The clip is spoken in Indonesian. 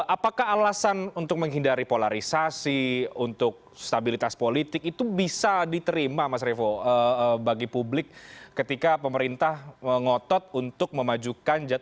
apakah alasan untuk menghindari polarisasi untuk stabilitas politik itu bisa diterima mas revo bagi publik ketika pemerintah ngotot untuk memajukan